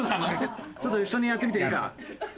ちょっと一緒にやってみていいか？